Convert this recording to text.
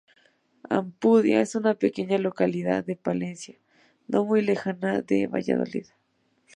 Ampudia es una pequeña localidad de Palencia, no muy lejana de Valladolid.